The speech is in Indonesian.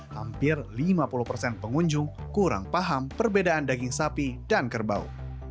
hampir lima puluh persen pengunjung kurang paham perbedaan daging sapi dan kerbau